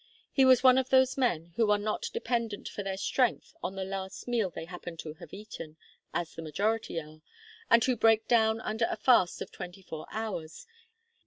He was one of those men who are not dependent for their strength on the last meal they happen to have eaten, as the majority are, and who break down under a fast of twenty four hours.